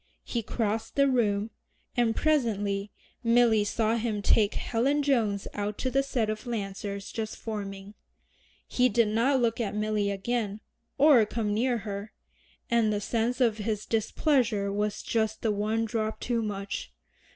He crossed the room, and presently Milly saw him take Helen Jones out to the set of Lancers just forming. He did not look at Milly again, or come near her, and the sense of his displeasure was just the one drop too much.